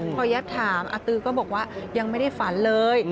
พอยัดถามอาตือก็บอกว่ายังไม่ได้ฝันเลย